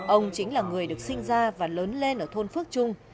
ông chính là người được sinh ra và lớn lên ở thôn phước trung